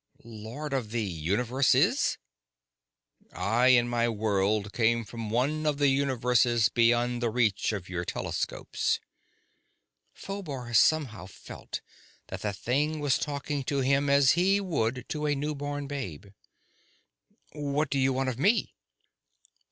"Lord of the Universes?" "I and my world come from one of the universes beyond the reach of your telescopes." Phobar somehow felt that the thing was talking to him as he would to a new born babe. "What do you want of me?"